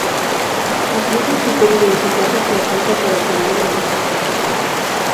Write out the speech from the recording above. Los siguientes criterios de desempate se aplican para determinar la clasificación.